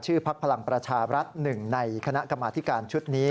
ชื่อภักษ์พลังประชารัฐ๑ในคณะกรรมอธิการชุดนี้